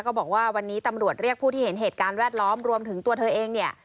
บอกว่าวันนี้ตำรวจเรียกผู้ที่เห็นเหตุการณ์แวดล้อมรวมถึงตัวเธอเองเนี่ย